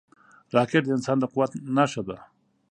راکټ د انسان د قوت نښه ده